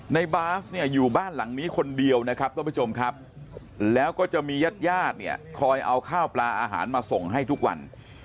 ในบ้านอยู่บ้านหลังนี้คนเดียวนะครับแล้วก็จะมีญาติคอยเอาข้าวปลาอาหารมาส่งให้ทุกวัน